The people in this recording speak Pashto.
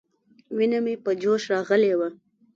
وينه مې په جوش راغلې وه.